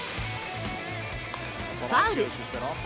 ファウル。